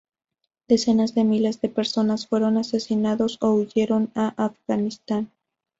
Decenas de miles de personas fueron asesinadas o huyeron a Afganistán.